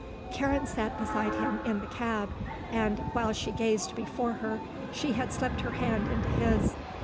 Karen sat beside him in the cab and, while she gazed before her, she had slipped her hand into his.